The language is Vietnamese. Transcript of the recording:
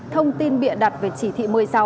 thông tin bịa đặt về chỉ thị một mươi sáu